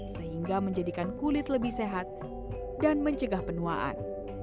sehingga menjadikan kulit lebih sehat dan mencegah penuaan